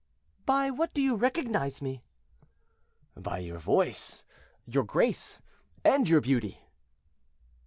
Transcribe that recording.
"By what do you recognize me?" "By your voice, your grace, and your beauty."